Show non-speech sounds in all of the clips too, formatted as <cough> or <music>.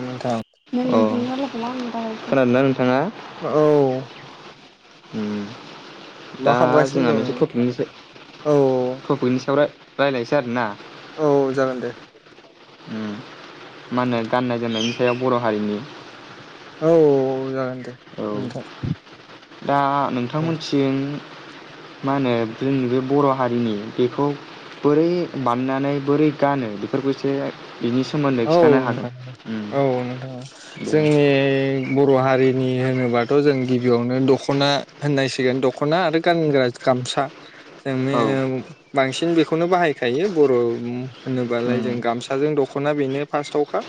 नोंथां <inaudible> अ खोनादोंना नोंथाङा? औ। उम। मा दा खालामगासिनो जोंहा दं मोनसे टपिकनि सा औ टपिकनि सायाव राय रायलायसै आरो ना। औ जागोन दे। उम मा होनो गाननाय जोमनायनि सायाव बर' हारिनि औ जागोन दे। औ नोंथां दा औ नोंथांमोनथिं मा होनो जोंनि बे बर' हारिनि बेखौ बोरै बानायनानै बोरै गानो बेफोरखौ एसे बिनि सोमोन्दै औ खिन्थानो हागोन नोंथां उम औ नोंथां औ दे जोंनि बर' हारिनि होनोबाथ' जों गिबियावनो दख'ना होननांसिगोन दख'ना आरो गानग्रा गामसा। जों औ मेम बांसिन बेखौ खौनो बाहायखायो बर' उम होनोबालाय उम जों गामसा दा जों दख' दख'ना बेनो फास्टावखा।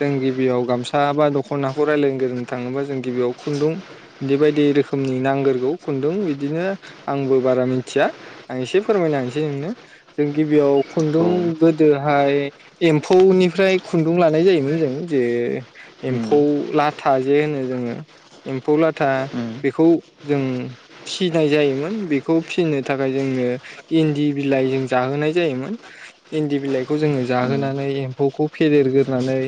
जों गिबियाव गामसा बा दख'नाखौ रायलायनोग्रोंनो थाङोबा जों गिबियाव खुन्दुं बिदि बायदि रोखोमनि नांग्रोगौ खुन्दुं बिदिनो आंबो बारा मिथिया आं एसे फोरमायना होनोसै नोंनो। जों गिबियाव औ खुन्दुं गोदोहाय एम फौनिफ्राय खुन्दुं लानाय जायोमोन जों, जे उम एम्फौ लाथा जे होनो जोङो एम्फौ लाथा उम बेखौ जों फिनाय जायोमोन। बेखौ फिनो थाखाय जोंनो इन्दि बिलाइ जों जाहोनाय जायोमोन इन्दि बिलाइखौ जोङो उम जाहोना नै एम्फौखौ फेदेरग्रोनानै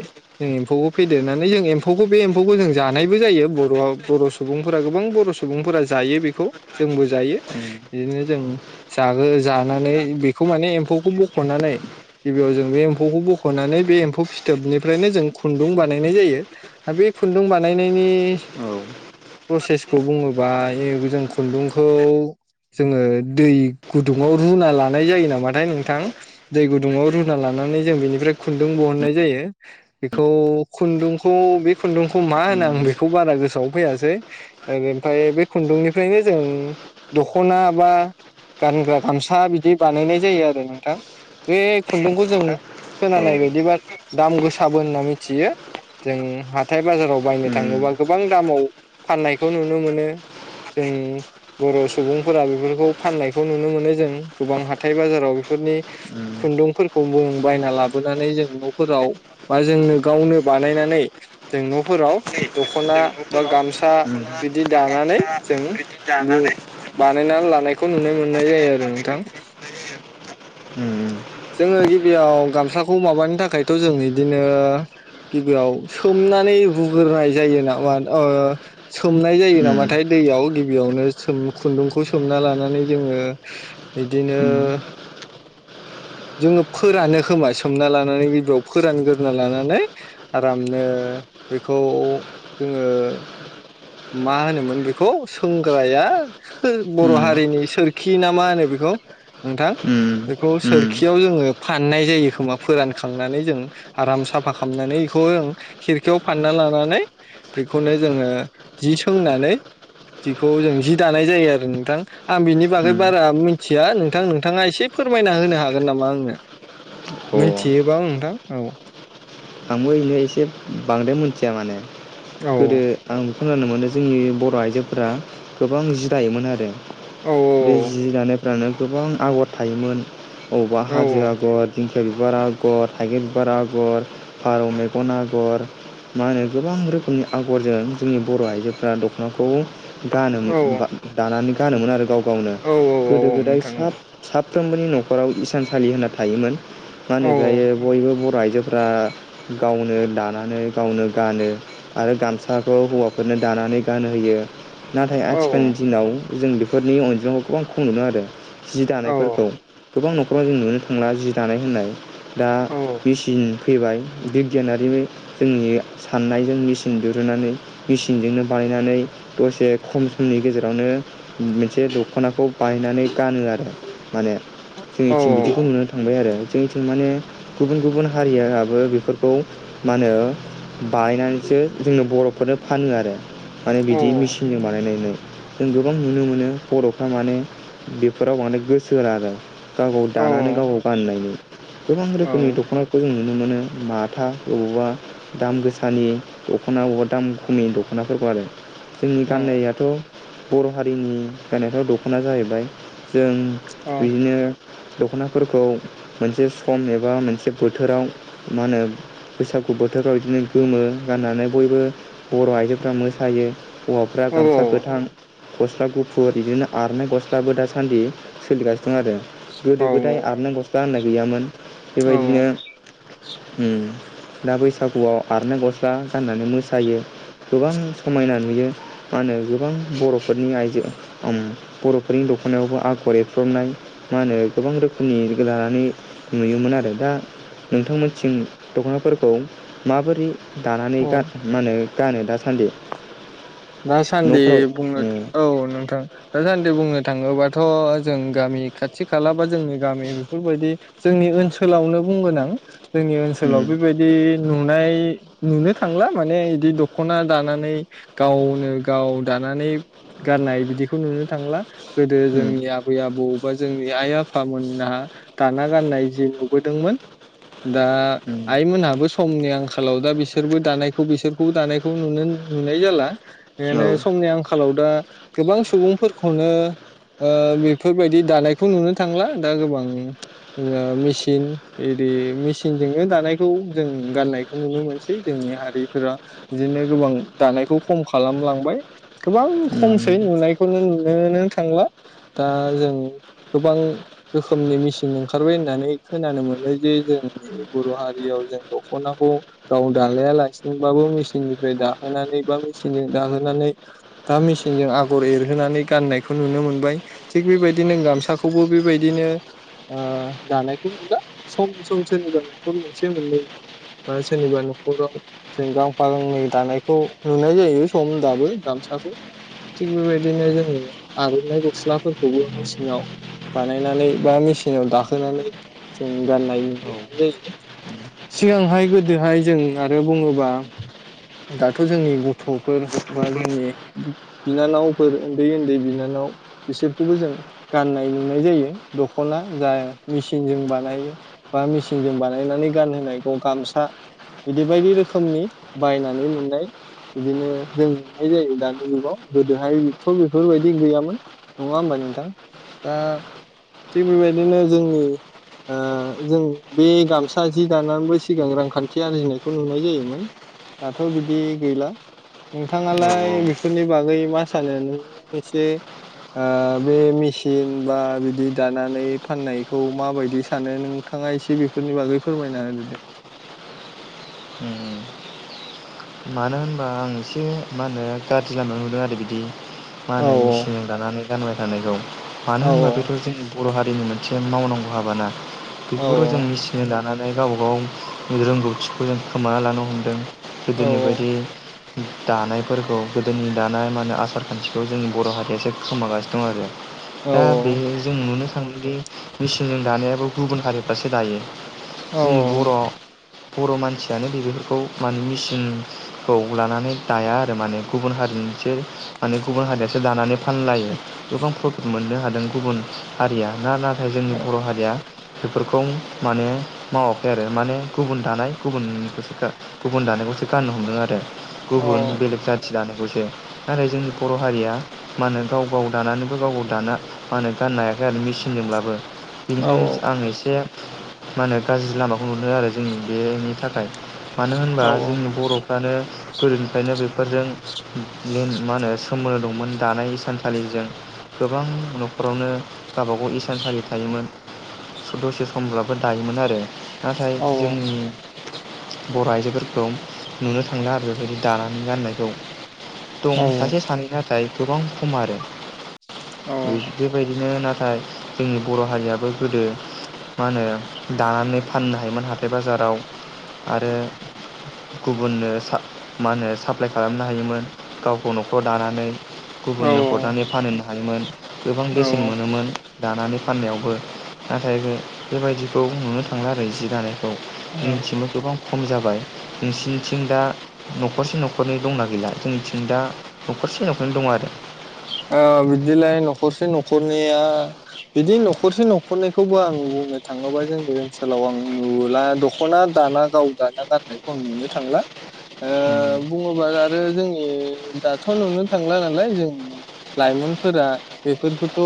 जों एम्फौखौ फेदेरनानै जों एम्फौखौ बे एम्फौखौ जों जानायबो जायो। बर'आव बर' सुबुंफोरा गोबां बर' सुबुंफोरा जायो बेखौ जोंबो जायो इदिनो जों जागो जानानै बेखौ माने एम्फौखौ बखनानै गिबियाव जों बे एम्फ फौखौ बखनानै बे एम्फौ फिथोबनिफ्रायनो जों खुन्दुं बानायनाय जायो, आरो बे खुन्दुं बानायनायनि औ प्रसेसखौ बुङोबा जों खुन्दुंखौ जोङो दै गुदुङाव रुना लानाय जायो नामाथाय नोंथां। दै गुदुंङाव रुना लानानै जों बेनिफ्राय खुन्दुं बहननाय जायो। बेखौ खुन्दुंखौ बे खुन्दुंखौ मा उम होनो आं बेखौ बारा गोसोआव फैयासै। ओ बेनिफाय बे खुन्दुंनिफ्रायनो जों दख'ना बा गानग्रा गामसा बिदि बानायनाय जायो आरो नोंथां बे खुन्दुंखौ जों खोनानाय औ बायदिबा दाम गोसाबो होनना मिथियो। जों हाथाय बाजाराव बायनो उम थाङोबा गोबां दामाव फाननायखौ नुनो मोनो। जों बर' सुबुंफोरा बेफोरखौ फाननायखौ नुनो मोनो जों गोबां हाथाय बाजाराव बेफोरनि उम खुन्दुंफोरखौबो बायना लाबोनानै जों नफोराव बा जोंनो गावनो बानायनानै जों नफोराव दख'ना बा गामसा बिदि दानानै जों लु बानायना लानाय खौ नुनो मोननाय जायो आरो नोंथां उम जोङो। बियाव गामसाखौ माबानो थाखायथ' जों बिदिनो गिबियाव सोमनानै रुग्रोनाय जायो नामा ओ सोमनाय जायो उम नामाथाय दैयाव गिबियावनो सोम खुन्दुंखौ सोमना लानानै जोङो बिदिनो उम जोङो फोरानो खोमा सोमना लानानै गिबियाव फोरान गोरना लानानै आरामनो बेखौ जोङो मा होनोमोन बेखौ सोंग्राया बर' उम हारिनि सोरखि ना मा होनो बेखौ नोंथां उम बेखौ उम सोरखियाव जोङो फाननाय जायो खोमा फोरानखांनानै जों आराम साफा खालामनानै बेखौ जों खिरखियाव फानना लानानै बेखौनो जोङो जि सोंनानै जिखौ जों जि दानाय जायो आरो नोंथां। आं बिनि बागै उम बारा मिथिया नोंथां नोंथाङा एसे फोरमायना होनो हागोन नामा आंनो अ मिथियोबाव नोंथां औ। आंबो नो एसे बांद्राय मिथिया माने औ गोदो आं खोनानो मोनदों जोंनि बर' आइजोफोरा गोबां जिदायोमोन आरो। औ बे जि दानाय जानो गोबां आगर थायोमोन। अबा औ हाजो आगर दिं। खेलबार आगर थागेद बिबार आगर। फारौ मेगन आगर मा होनो गोबां रोखोमनि आगरजों जोंनि बर'आइजोफ्रा दखनाखौ। गानोम औ दानानै गानोमोन आरो गाव गावनो औ औ गोदो औ गोदाय नोंथां औ साब साब फ्रोमबोनि नखराव इसानसालि होनना थायोमोन। मा औ होनो बाय बयबो बराय। जोफ्रा। गावनो दानानै गावनो गानो आरो गामसाखौ हौवाफोरनो दानानै गानहोयो। नाथाय औ औ आथिखालनि दिनाव। जों बेफोरनि अनजिमाखौ गोबां खम नुनो आरो। जि औ दानायफोरखौ। गोबां नखराव जों नुनो थांला जि दानाय होननाय। दा मेसिन। फैबाय। बिगियानारि जोंनि साननायजों मेचिन दिरुनानै मेसिनजोंनो बानायनानै दसे खम समनि गेजेरावनो मोनसे दखनाखौ बानायनानै गानो आरो। माने औ जोंनि थिं बिदिखौ नुनो थांबाय आरो। जोंनिथिं माने गुबुन गुबुन हारियाबो। बेफोरखौ मा होनो बायनानैसो जोंनो बरफोरनो फानो आरो। माने औ बिदि मेचिनजों बानायनो। जों गोबां नुनो मोनो बरफ्रा माने बेफोराव माने गोसो होला आरो। गाव गाव औ दानानै गाव गाव गाननायनि गोबां औ रोखोमनि दखनाखौ। नुनो मोनो। माथा बबेबा दाम गोसानि दखना बबेबा दाम खमिनि दखनाफोरखौ आरो। जोंनि गान्नायाथ। बर' हारिनि गायनायफ्राव दखना जाहैबाय। जों औ बिदिनो। दखनाफोरखौ मोनसे सम एबा मोनसे बोथोराव मा होनो बैसागु बोथोरफ्राव बिदिनो गोमो गाननानै बयबो बर' आइजोफ्रा मोसायो हौवाफ्रा गामसा गोथां गस्ला गुफुर बिदिनो आरनाय गस्लाबो दासान्दि सोलिगासिनो दं आरो गोदो गोदाय औ आर न बस्था होननाय गैयामोन। बेबायदिनो। औ उम। दा बैसागुआव आरनाय गस्ला गाननानै मोसायो गोबां समायना नुयो मा होनो गोबां बर'फोरनि आइजो बर'फोरनि दखनायावबो आगर एरफ्रबनाय मा होनो गोबां रोखोमनि लानानै नुयोमोन आरो दा नोंथांमोन थिं दखनाफोरखौ माबोरै दानानै औ गान मा होनो गानो दासान्दि। दासान्दि न'फोराव बुंनो उम औ नोंथां दासान्दि बुंनो थाङोबा थ जों गामि खाथि खाला बा जोंनि गामि बेफोरबायदि जोंनि ओनसोलावनो बुंगोन आं। जोंनि उम ओनसोलाव बेबायदि नुनाय नुनो थांला माने बिदि दखना दानानै गावनो गाव दानानै गारनाय बिदिखौ नुनो थांला। गोदो उम जोंनि आबै आबौबा जोंनि आइ आफा फामोनहा दाना गान्नाय जि नुबोदोंमोन दा उम आइ मोनहाबो समनि आंखालाव दा बिसो सोरबो दानायखौ बिसोरखौबो दानायखौ नुनो नुनाय जाला। औ बेनो समनि आंखालाव दा गोबां सुबुंफोरखौनो ओ बेफोरबायदि दानायखौ नुनो थांला दा गोबां मेसिन इदि मेसिनजोंनो दानायखौ जों गाननायखौ नुनो मोनसै जोंनि हारिफोरा बिदिनो गोबां दानायखौ खम खालामलांबाय। गोबां उम खमसै नुनायखौनो नोनो थांला। दा जों गोबां रोखोमनि मेसिन ओंखारबाय होननानै खोनानो मोनो जे जोंनि बर' हारियाव जों दखनाखौ गाव दालायालासिनोबाबो मेसिननिफ्राय दाहोनानै बाबो मेसिनजों दाहोनानै बा मेसिनजों आगर एरहोनानै गाननायखौ नुनो मोनबाय थिग बेबायदिनो गामसाखौबो बेबायदिनो ओ दानायखौ नुला सम सम सोरनिबा नखर मोनसे मोननै बा सोरनिबा नखराव जों गांफा गांनै दानायखौ नुनाय जायो सम दाबो गामसाखौ थिग बेबायदिनो जोङो आरननाय गस्लाफोरखौबो मेसिनाव बानायनानै बा मेसिनाव दाहोनानै जों गाननाय नुनो औ मोननाय जायो सिगांहाय गोदोहाय जों आरो बुङोबा दाथ जोंनि गथ'फोर बा जोंनि बिनानावफोर उन्दै उन्दै बिनानाव बिसोरखौबो जों गाननाय नुनाय जायो दखना जा मेसिनजों बानायो बा मेसिनजों बानायनानै गानहोनायखौ गामसा बिदि बायदि रोखोमनि बायनानै मोननाय बिदिनो जों नुनाय जायो दानि जुगाव गोदोहायथ बेफोरबायदि गैयामोन नङा होमबा नोंथां दा थिग बेबायदिनो जोंनि ओ जों बे गामसा जि दानानैबो सिगां रांखान्थि आरजिनायखौ नुनाय जायोमोन दाथबिदि गैला नोंथाङालाय औ बेफोरनि बागै मा सानो नों एसे ओ बे मेसिन बा बिदि दानानै फाननायखौ माबायदि सानो नोंथाङा एसे बेफोरनि बागै फोरमायना होदो दे। उम मानो होनबा आं एसे मा होनो गाज्रि लामायाव नुदो आरो बिदि मा औ होनो मेसिनजों दानानै गानबाय थानायखौ। मानो औ होनबा बेफोर जोंनि बर' हारि नि मोनसे मावनांगौ हाबाना। औ बेफोरखौ जों मिसिनजों दानानै गावबा गाव रोंगौथिखौ जों खोमाना लानो हमदों। ओ गोदोनि बायदि दानायफोरखौ गोदोनि दानाय माने आसार खान्थिखौ जोंनि बर' हारियासो खोमागासिनो दं आरो। दा बे जों नुनो थांङो दि मेसिनजों दानायाबो गुबुन हारिफ्रासो दायो। औ जोंनि औ बर' बर' मानसियानो बेफोरखौ माने मिसिं खौ लानानै दाया आरो माने गुबुन हारिनोसो माने गुबुन हारियासो दानानै फानलायो गोबां प्रफिट मोननो हादों गुबुन हारिया ना ना जोंनि बर' हारिया बेफोरखौ माने मावाखै आरो माने गुबुन दानाय गुबुनखौसोखा गुबुन दानायखौसो गाननो हमदों आरो गुबुन बेलेग जाथि दानाय खौसो नाथाय जोंनि बर' हारिया मा होनो गाव गाव दानानैबो गाव गाव दाना मा होनो गाननो हायाखै आरो मेचिनजोंब्लाबो बेनिखायनो आं एसे मा होनो गाज्रि लामाखौ मोनो आरो जोंनि बेनि थाखाय औ औ नो गोदोनिफ्रायनो बेफोरजों मा होनो सोमोन्दो दंमोन दानाय इसानसालिजों गोबां नख'रावनो गाबा गाव इसानसालि थायोमोन दसे समब्लाबो दायोमोन आरो नाथाय जोंनि बर' आयजोफोरखौ नुनो थांला आरो बेबायदि दानानै गाननायखौ दं सासे सानै नाथाय गोबां खम आरो ओ बे बेबायदिनो ना ओ जोंनि बर' हारियाबो गोदो मा होनो दानानै फाननो हायोमोन हाथाय बाजाराव आरो गुबुननो सा मा होनो साप्लाय खालामनो हायोमोन गावखौ नख'राव दानानै गुबुननो हरनानै फानहैनो हायोमोन गोबां बेसेन मोनोमोन दानानै फाननायावबो नाथाय जों बेबायदिखौ नुनो थांला आरो जि दानाय खौ जोंनिथिंबो गोबां खम जाबाय नोंसिनिथिं दा नख'रसे नख'रनै दंना गैला जोंनिथिं दा नख'रसे नख'रनै दं आरो ओ बिदिलाय नख'रसे नख'रनैया बिदि नख'रसे नख'रनैखौबो आं बुंनो थाङोबा जोंनि ओनसोलाव आं नुला दख'ना दाना गाव दाना गाननायखौ आं नुनो थांला ओ बुङोबा आरो जोंनि दाथ' नुनो थांला नालाय जों लाइमोनफोरा बेफोरखौथ'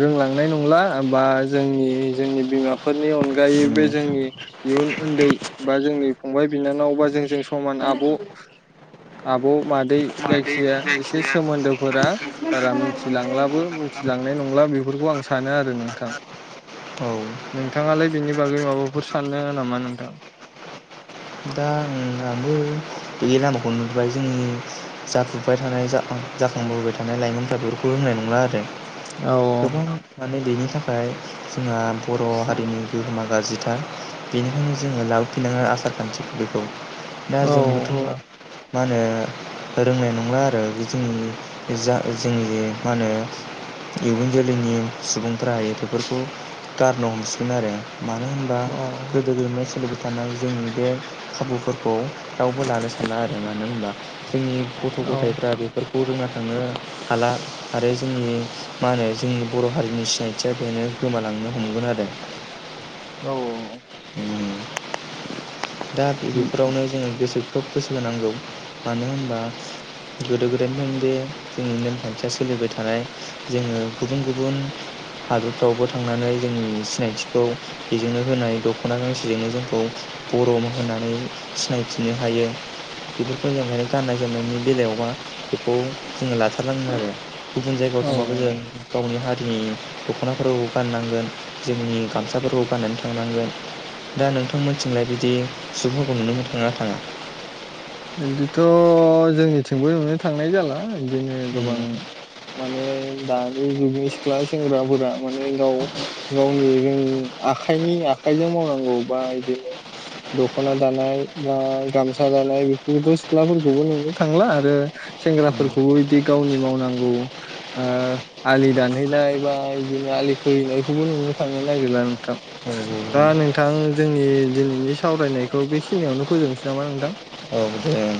रोंलांनाय नंला बा जोंनि जोंनि बिमाफोरनि अनगायै बे जोंनि इयुन उन्दै बा जोंनि फंबाय बिनानाव बा जोंजों समान आब' आब' मादै जायखिजाया एसे सोमोन्दोफोरा बारा मिथिलांलाबो मिथिलांनाय नंला बेफोरखौ आं सानो आरो नोंथां। औ औ नोंथाङालाय बेनि बागै माबाफोर सानो नामा नोंथां? दा आंहाबो बे लामाखौ नुबाय जों जाफुबाय थानाय जाखांबोबाय थानाय लाइमोनफ्रा बेफोरखौ रोंनाय नंला आरो औ गोबां माने बेनि थाखाय जोंहा बर' हारिनि गोहोमा गाज्रिथार बेनिखायनो जोङो लाबोफिनांगोन आसार खान्थिफोरखौ दा जों बे अब्ला मा होनो रोंनाय नंला आरो बे जोंनि जा जोंनि मा होनो इयुन जोलैनि सुबुंफोरा बेफोरखौ गारनो हमसिगोन आरो मानो होनबा औ गोदो गोदायनि सोलि दाना जोंनि बे खाबुफोरखौ दाउ <unintelligible> जोंनि गथ गथायफ्रा बेफोरखौ रोङाखै थांनो हाला आरो जोंनि मा होनो जोंनि बर हारिनि सिनायथिया बेनो गोमालांनो हमगोन आरो औ औ उ दा बे औ बेफोरावनो जोङो गोसो खोब गोसो होनांगौ मानो होनबा गोदो गोदायनिफ्राय बे जोंनि नेमखान्थिया सोलिबाय थानाय जोङो गुबुन गुबुन हादरफ्रावबो थांनानै जोंनि सिनायथिखौ बेजोंनो होनाय दखना गांसेजोंनो जोंखौ बर होनानै सिनायथिनो हायो बेफोरखौ जोङो गाननाय जोमनायनि बेलायावबा बेखौ जोङो लाथारनांगोन आरो गुबुन जायगायाव औ थांबाबो जों गावनि हारि जोंनि दखनाफोरावबो गाननांगोन जोंनि गामसाफोरखौबो गाननानै थांनांगोन दा नोंथां मोन होनलाय बिदि सुबुंखौ नुनोनो थाङा थाङा बिदिथ जोंनिथिंबो नुनो थांनाय जाला बिदिनो गोबां माने दानि जुगनि सिख्ला सेंग्राफोरा माने गाव गावनि रों आखाइनि आखाइजों मावनांगौ बा इदिनो दखना दानाय बा गामसा दानाय बिदि सिख्लाफोरखौबो नुनो थांला आरो सेंग्राफोरखौबो इदि गावनि मावनांगौ आलि दानहैनाय बा इदिनो आलि खोहैनायखौबो नुनो थांनो नागिरला नोंथां औ दा नोंथां जोंनि दिनैनि सावरायनायखौ बेखिनियावनो फोजोबनोसै नामा नोंथां? औ औ दे